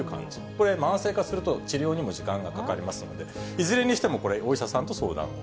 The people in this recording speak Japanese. これ慢性化すると、治療にも時間がかかりますので、いずれにしてもこれ、お医者さんと相談。